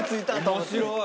面白い！